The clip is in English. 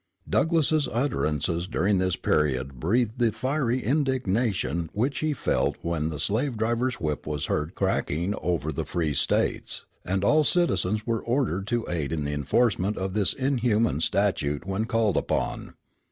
Douglass's utterances during this period breathed the fiery indignation which he felt when the slave driver's whip was heard cracking over the free States, and all citizens were ordered to aid in the enforcement of this inhuman statute when called upon.